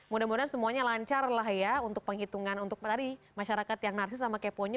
mudah mudahan semuanya lancar lah ya untuk penghitungan untuk menarik masyarakat yang narsis sama kepo nya